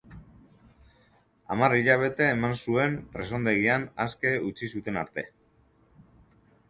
Hamar hilabete eman zuen presondegian aske utzi zuten arte.